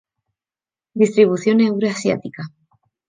Distribución Euroasiática.